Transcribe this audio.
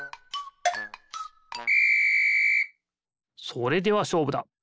それではしょうぶだ！